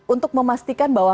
untuk memastikan bahwa